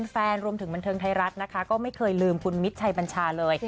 รวมถึงบันเทิงไทยรัฐนะคะก็ไม่เคยลืมคุณมิตรชัยบัญชาเลย